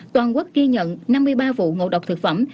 toàn quốc ghi nhận năm mươi ba vụ ngộ độc thực phẩm